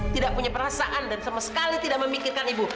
tidak punya perasaan dan sama sekali tidak memikirkan ibu